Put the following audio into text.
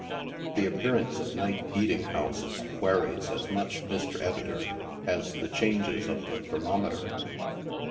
The appearance of night eating houses waries as much, Mr. Editor, as the changes of the thermometer.